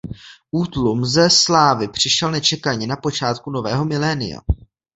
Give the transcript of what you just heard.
Útlum ze slávy přišel nečekaně na počátku nového milénia.